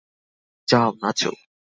যাও, নাচো।